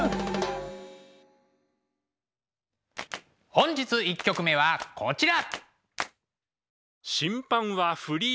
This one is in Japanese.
本日１曲目はこちら。